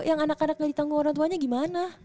yang anak anaknya di tanggung orangtuanya gimana